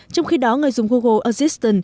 trong khi đó người dùng google assistant